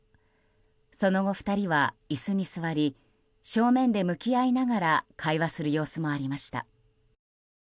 その後、２人は椅子に座り正面で向き合いながら会話する様子もありました。